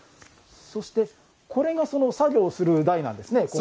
そしてこれがその作業をする台なんですね。